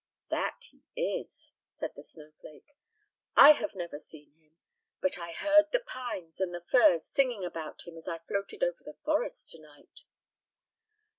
"That he is," said the snowflake. "I have never seen him, but I heard the pines and the firs singing about him as I floated over the forest to night."